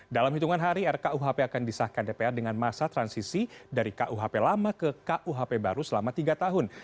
dalam hitungan hari rkuhp akan disahkan dpr dengan masa transisi dari kuhp lama ke kuhp baru selama tiga tahun